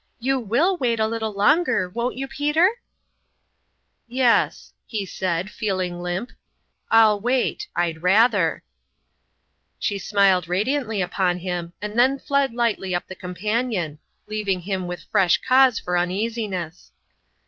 You will wait a little longer, won't you, Peter ?"" Yes," he said, feeling limp, " I'll wait. I'd rather !" She smiled radiantly upon him, and then fled lightly up the companion, leaving him with fresh cause for uneasiness.